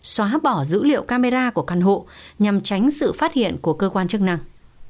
xóa bỏ dữ liệu camera của căn hộ nhằm tránh sự phát hiện của cơ quan chức năng